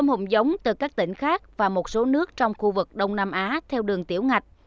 hãy nhập tôm hùm giống từ các tỉnh khác và một số nước trong khu vực đông nam á theo đường tiểu ngạch